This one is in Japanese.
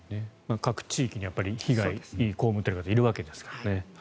各地域に被害を被っている方がいるわけですからね。